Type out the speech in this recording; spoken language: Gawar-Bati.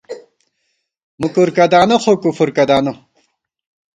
مُکُر کدانہ خو کُفر کدانہ